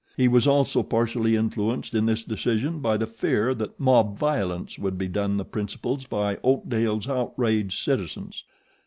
He was also partially influenced in this decision by the fear that mob violence would be done the principals by Oakdale's outraged citizens.